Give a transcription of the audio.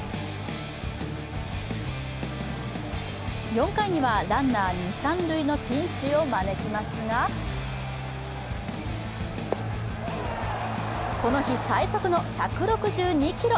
４回には、ランナー二・三塁のピンチを招きますがこの日最速の１６２キロ。